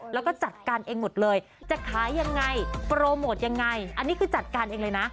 แล้วก็จัดการเองหมดเลยจะขายยังไงโปรโมทยังไงอันนี้คือจัดการเองเลยนะ